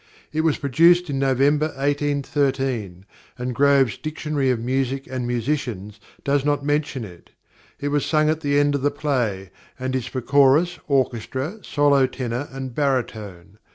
It was produced in November 1813, and Grove's Dictionary of Music and Musicians does not mention it. It was sung at the end of the play, and is for chorus, orchestra, solo tenor and baritone.